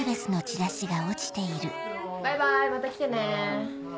バイバイまた来てね。